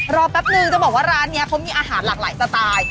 แป๊บนึงจะบอกว่าร้านนี้เขามีอาหารหลากหลายสไตล์